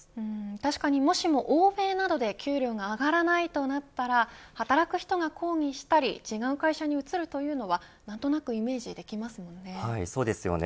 確かに、もしも欧米などで給料が上がらないとなったら働く人が抗議したり違う会社に移るというのはそうですよね。